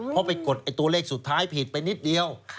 เพราะไปกดตัวเลขสุดท้ายผิดไปนิดเดียว